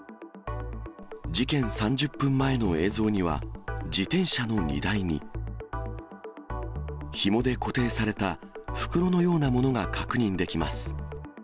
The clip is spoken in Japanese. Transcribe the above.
事件３０分前の映像には、自転車の荷台に、ひもで固定された袋のようなものが確認できます。